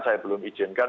saya belum izinkan